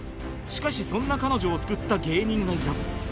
しかしそんな彼女を救った芸人がいた